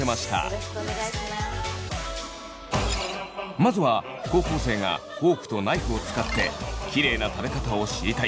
まずは高校生がフォークとナイフを使ってキレイな食べ方を知りたい